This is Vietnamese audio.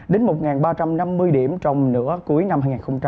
đến một ba trăm năm mươi điểm trong nửa cuối năm hai nghìn hai mươi bốn